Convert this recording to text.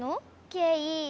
ケイ。